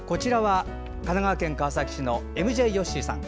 神奈川県川崎市のＭＪよっしーさん。